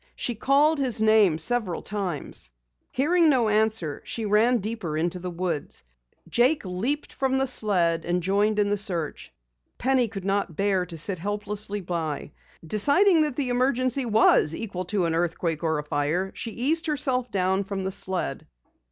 She called his name several times. Hearing no answer, she ran deeper into the woods. Jake leaped from the sled and joined in the search. Penny could not bear to sit helplessly by. Deciding that the emergency was equal to an earthquake or a fire, she eased herself down from the sled.